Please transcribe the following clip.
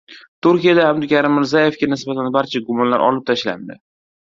Turkiyada Abdukarim Mirzaevga nisbatan barcha gumonlar olib tashlandi